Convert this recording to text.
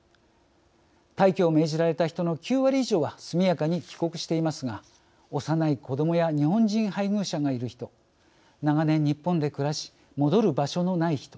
退去を命じられた人の９割以上は速やかに帰国していますが幼い子どもや日本人配偶者がいる人長年日本で暮らし戻る場所のない人。